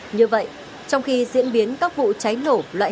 như vậy trong khi diễn biến các vụ cháy nổ loại